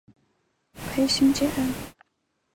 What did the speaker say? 裴行俭人。